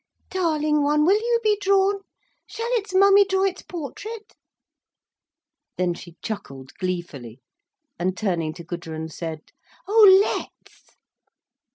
"Darling one, will you be drawn? Shall its mummy draw its portrait?" Then she chuckled gleefully, and turning to Gudrun, said: "Oh let's!"